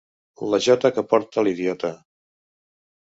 La jota que porta l'idiota.